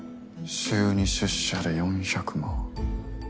週２出社で４００万。